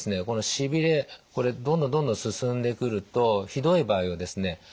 このしびれこれどんどんどんどん進んでくるとひどい場合はですね